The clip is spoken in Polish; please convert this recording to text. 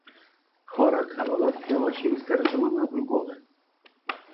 "Chora Karola chwiała się i skarżyła na ból głowy."